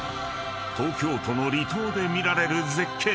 ［東京都の離島で見られる絶景］